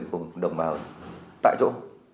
cùng đồng bào